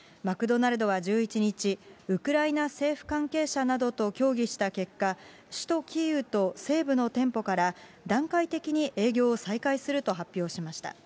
マクドナルドは１１日、ウクライナ政府関係者などと協議した結果、首都キーウと西部の店舗から、段階的に営業を再開すると発表しました。